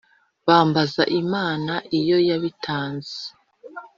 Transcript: Bambaz'Iman'iyo y'abitanze